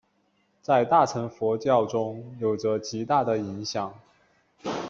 在大乘佛教中有着极大影响。